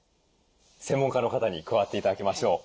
専門家の方に加わって頂きましょう。